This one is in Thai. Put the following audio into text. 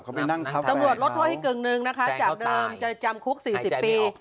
ตำรวจลดโทษให้กึ่งหนึ่งนะคะจากเดิมจะจำคุก๔๐ปี